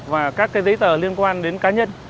và các cái giấy tờ liên quan đến cá nhân